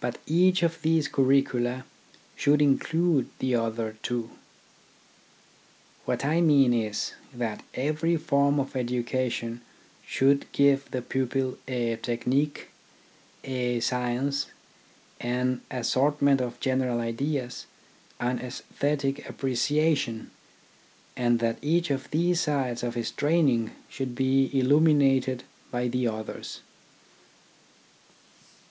But each of these curricula should include the other two. What I mean is, that every form of education should give the pupil a technique, a science, an assortment of general ideas, and aesthetic appre ciation, and that each of these sides of his train ing should be illuminated by the others.